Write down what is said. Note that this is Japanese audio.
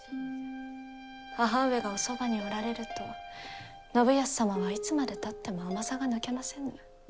義母上がおそばにおられると信康様は、いつまでたっても甘さが抜けませぬ。